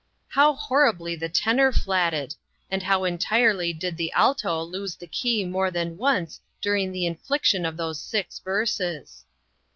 How horribly the tenor flatted, and how entirely did the alto lose the key more than once during the infliction of those six verses